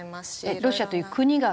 えっロシアという国が？